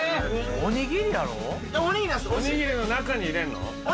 おにぎりの中に入れんの？